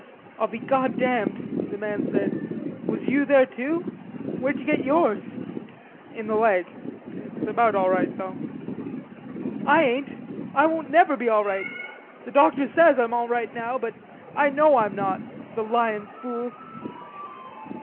"I'll be goddamned," the man said, "was you there too? Where d'you get yours?" "In the leg; it's about all right, though." "I ain't. I won't never be all right. The doctor says I'm all right now, but I know I'm not, the lyin' fool."